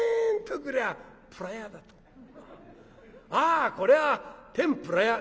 『あこりゃ天ぷら屋』」。